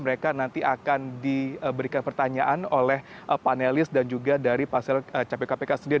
mereka nanti akan diberikan pertanyaan oleh panelis dan juga dari pansel capil kpk sendiri